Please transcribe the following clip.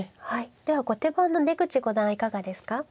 はいでは後手番の出口五段はいかがですか。